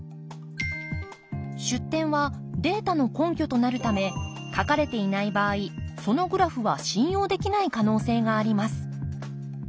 出典はデータの根拠となるため書かれていない場合そのグラフは信用できない可能性があります。